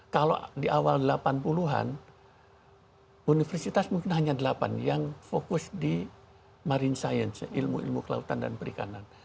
kalau di awal delapan puluh an universitas mungkin hanya delapan yang fokus di marine science ilmu ilmu kelautan dan perikanan